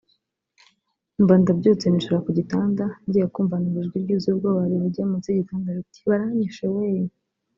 Mba ndabyutse nicara ku gitanda ngiye kumva numva ijwi ryuzuye ubwoba rivuye munsi y’igitanda riti “Baranyishe weeee